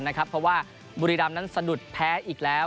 เพราะว่าบุรีรำนั้นสะดุดแพ้อีกแล้ว